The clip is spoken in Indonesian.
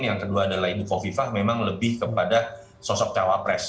yang kedua adalah ibu kofifah memang lebih kepada sosok cawapres